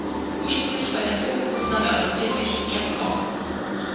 Ursprünglich war der Funk-Rufname auch tatsächlich „Capcom“.